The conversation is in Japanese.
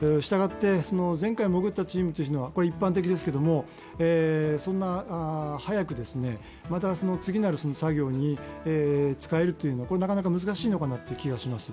前回潜ったチームというのは、一般的ですけれども、そんな早く、また次なる作業に使えるというのはなかなか難しいのかなという気がします。